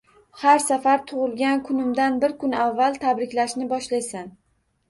Har safar tug`ilgan kunimda bir kun avvaldan tabriklashni boshlaysan